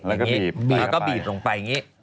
แล้วก็บีบลงไปอย่างนี้